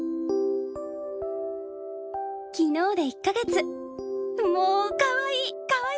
「昨日で１ヶ月んもかわいい！